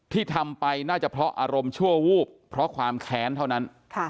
ที่ทำไปน่าจะเพราะอารมณ์ชั่ววูบเพราะความแค้นเท่านั้น